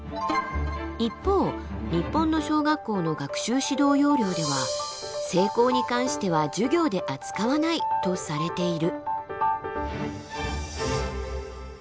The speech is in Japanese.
一方日本の小学校の学習指導要領では性交に関しては授業で扱わないとされている。